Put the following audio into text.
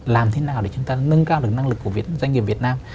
làm thế nào để chúng ta nâng cao được năng lực của doanh nghiệp việt nam